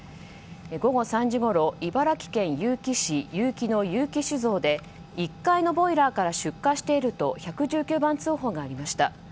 午後３時ごろ茨城県結城市結城の結城酒造で１階のボイラーから出火していると１１９番通報がありました。